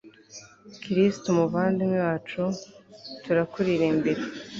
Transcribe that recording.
kristu muvandimwe wacu; turakuririmbira